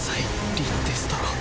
リ・デストロ。